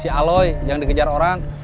si aloy jangan dikejar orang